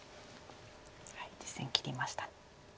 実戦切りました。